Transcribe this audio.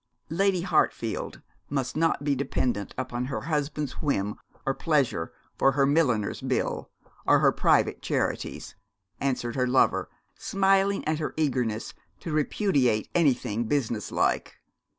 'Lady Hartfield must not be dependent upon her husband's whim or pleasure for her milliner's bill or her private charities,' answered her lover, smiling at her eagerness to repudiate anything business like.